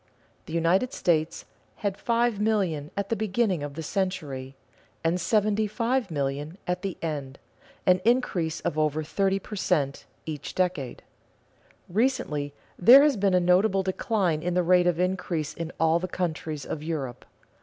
The United States had 5,000,000 at the beginning of the century and 75,000,000 at the close, an increase of over 30 per cent, each decade. Recently there has been a notable decline in the rate of increase in all the countries of Europe.